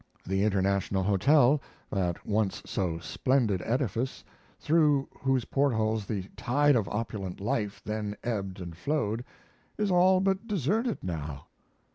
The International Hotel, that once so splendid edifice, through whose portals the tide of opulent life then ebbed and flowed, is all but deserted now.